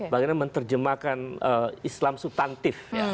bagiannya menerjemahkan islam sustantif